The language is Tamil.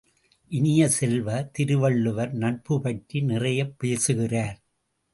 இனிய செல்வ, திருவள்ளுவர் நட்பு பற்றி நிறைய பேசுகிறார்.